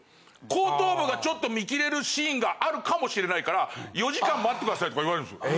後頭部がちょっと見切れるシーンがあるかもしれないから４時間待ってくださいとか言われるんですよ。